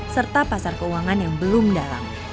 serta pasar keuangan yang belum dalam